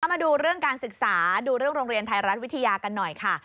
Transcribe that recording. มาดูเรื่องการศึกษาดูเรื่องโรงเรียนไทยรัฐวิทยากันหน่อยค่ะ